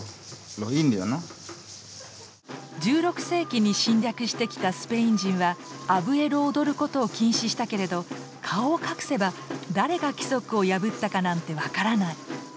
１６世紀に侵略してきたスペイン人はアブエロを踊ることを禁止したけれど顔を隠せば誰が規則を破ったかなんて分からない。